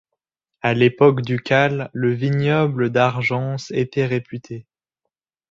À l'époque ducale, le vignoble d'Argences était réputé.